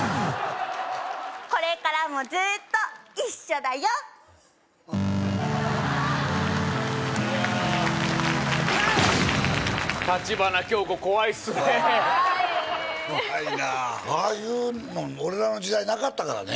これからもずーっと一緒だよ怖い怖いなああいうの俺らの時代なかったからね